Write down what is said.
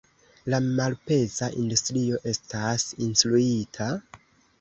La malpeza industrio estas incluita?